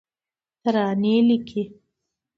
ترانې لیکې